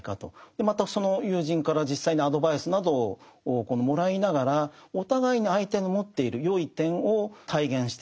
またその友人から実際にアドバイスなどをもらいながらお互いに相手の持っている善い点を体現していく。